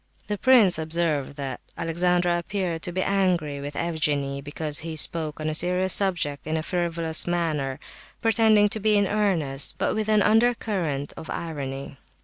The prince observed that Alexandra appeared to be angry with Evgenie, because he spoke on a serious subject in a frivolous manner, pretending to be in earnest, but with an under current of irony.